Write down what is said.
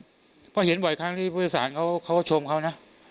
เพราะเห็นบ่อยครั้งที่ผู้โดยสารเขาชมเขานะ